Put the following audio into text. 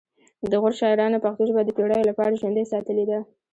د غور شاعرانو پښتو ژبه د پیړیو لپاره ژوندۍ ساتلې ده